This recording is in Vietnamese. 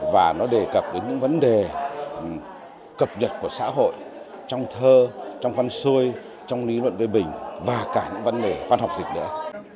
và nó đề cập đến những vấn đề cập nhật của xã hội trong thơ trong văn xuôi trong lý luận phê bình và cả những vấn đề văn học dịch nữa